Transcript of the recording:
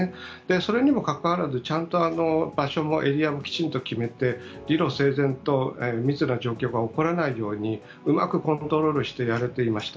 それにもかかわらずちゃんと場所もエリアもきちんと決めて、理路整然と密な状況が起こらないようにうまくコントロールしてやれていました。